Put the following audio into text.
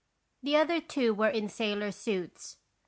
" The other two were in sailor suits.